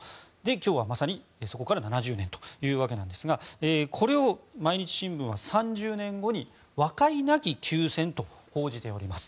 今日はまさにそこから７０年ということですがこれを毎日新聞は３０年後に和解なき休戦と報じています。